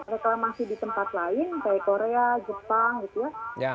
reklamasi di tempat lain kayak korea jepang gitu ya